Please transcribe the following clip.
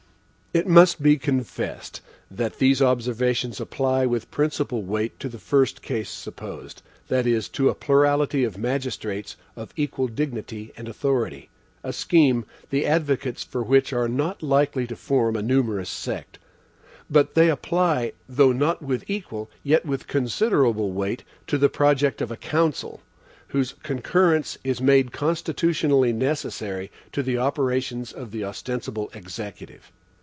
It must be confessed that these observations apply with principal weight to the first case supposed that is, to a plurality of magistrates of equal dignity and authority a scheme, the advocates for which are not likely to form a numerous sect; but they apply, though not with equal, yet with considerable weight to the project of a council, whose concurrence is made constitutionally necessary to the operations of the ostensible Executive.